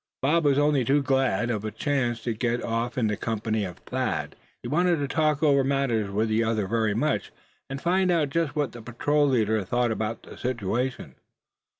Bob was only too glad of a chance to get off in the company of Thad. He wanted to talk over matters with the other very much, and find out just what the patrol leader thought about the situation.